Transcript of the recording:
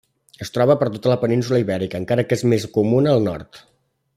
Es troba per tota la península Ibèrica, encara que és més comuna al nord.